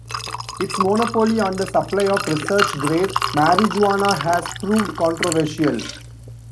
Its monopoly on the supply of research-grade marijuana has proved controversial.